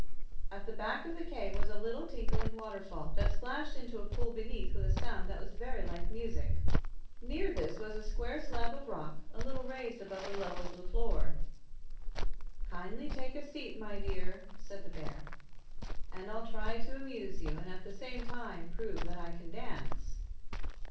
At the back of the cave was a little, tinkling waterfall, that splashed into a pool beneath with a sound that was very like music. Near this was a square slab of rock, a little raised above the level of the floor. "Kindly take a seat, my dear," said the bear, "and I'll try to amuse you, and at the same time prove that I can dance."